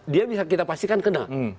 dia bisa kita pastikan kena